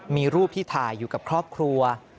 มีรูปที่ถ่ายอยู่กับครอบครัว